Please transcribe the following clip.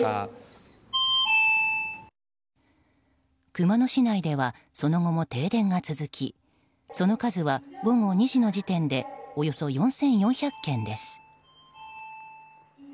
熊野市内ではその後も停電が続きその数は午後２時の時点でおよそ４４００軒です。